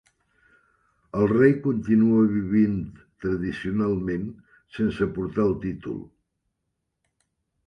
El rei continua vivint tradicionalment sense portar el títol.